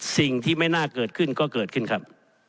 สิ่งที่ไม่น่าเกิดขึ้นก็เกิดขึ้นครับ